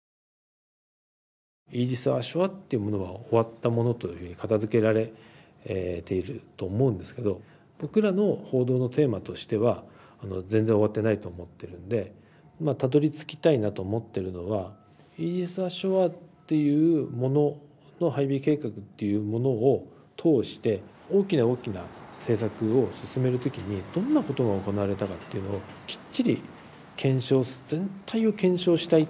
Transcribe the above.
イージス・アショアっていうものは終わったものと片づけられていると思うんですけど僕らの報道のテーマとしては全然終わってないと思ってるんでたどりつきたいなと思ってるのはイージス・アショアっていうものの配備計画っていうものを通して大きな大きな政策を進める時にどんなことが行われたかっていうのをきっちり検証全体を検証したい。